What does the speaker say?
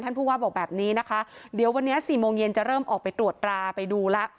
ผู้ว่าบอกแบบนี้นะคะเดี๋ยววันนี้สี่โมงเย็นจะเริ่มออกไปตรวจราไปดูแล้ว